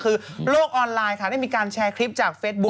คือโลกออนไลน์ค่ะได้มีการแชร์คลิปจากเฟซบุ๊